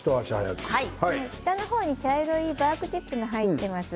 下の方に茶色いバークチップが入っています。